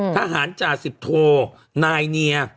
จ่าสิบโทนายเนีย